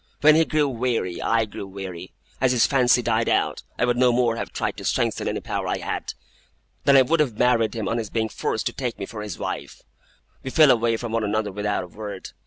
When he grew weary, I grew weary. As his fancy died out, I would no more have tried to strengthen any power I had, than I would have married him on his being forced to take me for his wife. We fell away from one another without a word.